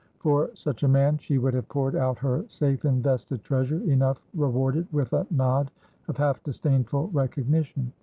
For such a man she would have poured out her safe invested treasure, enough rewarded with a nod of half disdainful recognition.